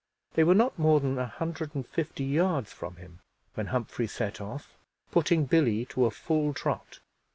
They were not more than a hundred and fifty yards from him when Humphrey set off, putting Billy to a full trot.